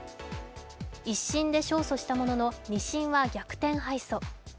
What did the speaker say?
１審で勝訴したものの２審は逆転敗訴。